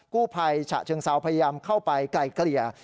กู้ภัยฉะเชิงเซาพยายามเข้าไปไกลเกลี่ย